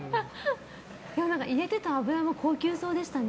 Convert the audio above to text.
入れてた油も高級そうでしたね。